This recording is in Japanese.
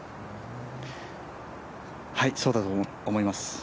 はい、そうだと思います。